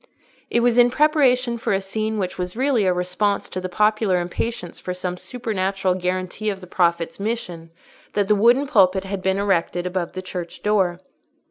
It was in preparation for a scene which was really a response to the popular impatience for some supernatural guarantee of the Prophet's mission, that the wooden pulpit had been erected above the church door.